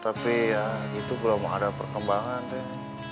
tapi ya itu belum ada perkembangan deh